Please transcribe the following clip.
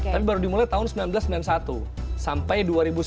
tapi baru dimulai tahun seribu sembilan ratus sembilan puluh satu sampai dua ribu sembilan